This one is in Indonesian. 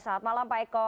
selamat malam pak eko